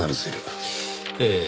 ええ。